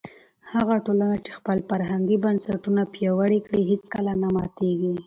هغه ټولنه چې خپل فرهنګي بنسټونه پیاوړي کړي هیڅکله نه ماتېږي.